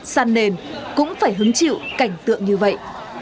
san nền cũng phải hứng chịu cảnh tượng như vậy